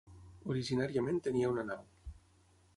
Originàriament tenia una nau.